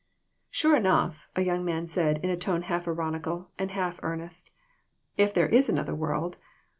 "Sure enough!" a young man said in a tone half ironical and half earnest ;" there is another world